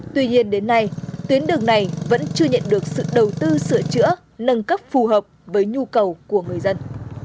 tuy nhiên đến nay tuyến đường này vẫn chưa nhận được sự đầu tư sửa chữa nâng cấp phù hợp với nhu cầu của người dân